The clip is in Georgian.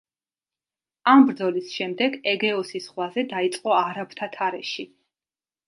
ამ ბრძოლის შემდეგ ეგეოსის ზღვაზე დაიწყო არაბთა თარეში.